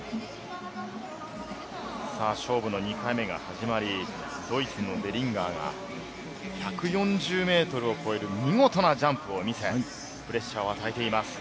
勝負の２回目が始まり、ドイツのヴェリンガーが１４０メートルを越える見事なジャンプを見せ、プレッシャーを与えています。